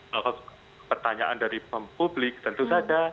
kalau pertanyaan dari publik tentu saja